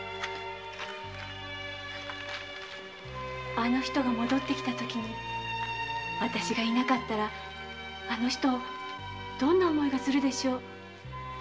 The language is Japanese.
あの人が戻ってきたときに私が居なかったらあの人どんな思いがするでしょう？